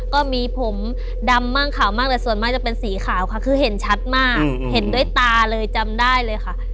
ก็มีผมดำมั่งขาวมั่งแต่ส่วนมากจะเป็นสีขาวค่ะคือเห็นชัดมากเห็นด้วยตาเลยจำได้เลยค่ะ